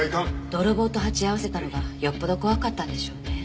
泥棒と鉢合わせたのがよっぽど怖かったんでしょうね。